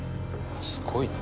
「すごいね」